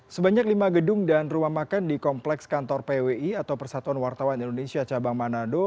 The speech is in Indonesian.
sebanyak lima gedung dan rumah makan di kompleks kantor pwi atau persatuan wartawan indonesia cabang manado